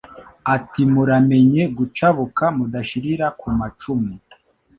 Ati muramenye gucabukaMudashirira ku macumu